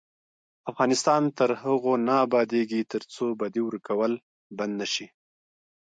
افغانستان تر هغو نه ابادیږي، ترڅو بدی ورکول بند نشي.